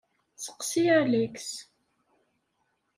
Sseqsi Alex.